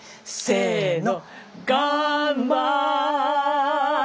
せの！